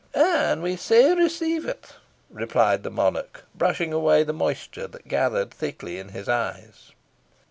"And we sae receive it," replied the monarch, brushing away the moisture that gathered thickly in his eyes.